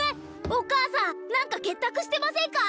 お母さん何か結託してませんか？